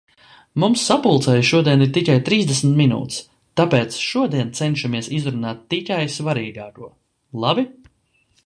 Mums sapulcei šodien ir tikai trīsdesmit minūtes, tāpēc šodien cenšamies izrunāt tikai svarīgāko, labi?